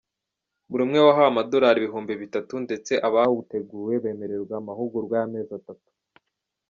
buri umwe wahawe amadolari ibihumbi bitatu ndetse abawuteguye bemererwa amahugurwa y’amezi atatu.